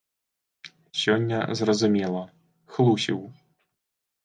Сёння зразумела — хлусіў.